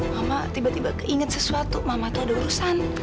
mama tiba tiba keinget sesuatu mama itu ada urusan